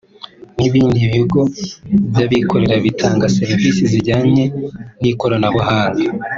n’ibindi bigo by’abikorera bitanga serivisi zijyanye n’ikoranabuhanga